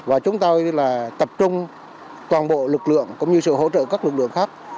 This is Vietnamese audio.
và chúng tôi là tập trung toàn bộ lực lượng cũng như sự hỗ trợ các lực lượng khác